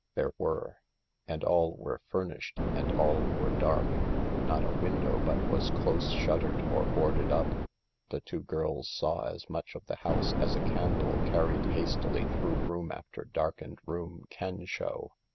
There were — and all were furnished and all were dark ; not a window but was close shuttered or boarded up. The two girls saw as much of the house as a candle carried hastily through room after darkened room can show.